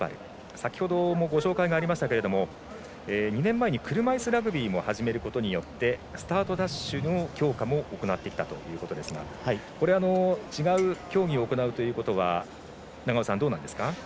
先ほどもご紹介がありましたが２年前に車いすラグビーも始めることによってスタートダッシュの強化も行ってきたということですが違う競技を行うということは永尾さん、どうなんですか。